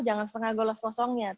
jangan setengah gelas kosongnya